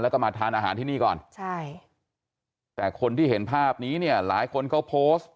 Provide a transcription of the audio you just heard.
แล้วก็มาทานอาหารที่นี่ก่อนใช่แต่คนที่เห็นภาพนี้เนี่ยหลายคนเขาโพสต์